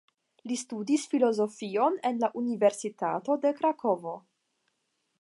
Li studis filozofion en la Universitato de Krakovo.